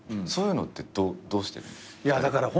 そういうのってどうしてる？